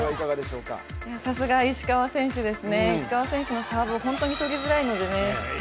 さすが石川選手ですね、石川選手のサーブは本当に取りづらいのでね。